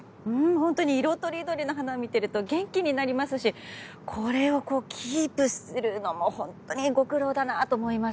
本当に色とりどりの花を見ていると元気になりますしこれをキープするのも本当にご苦労だなと思います。